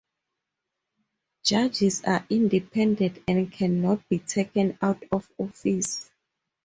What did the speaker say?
Judges are independent and can not be taken out of office.